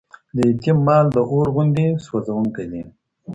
د يتيم مال د اور غوندې سوزونکی دی.